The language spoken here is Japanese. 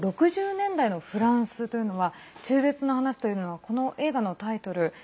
６０年代のフランスというのは中絶の話というのはこの映画のタイトル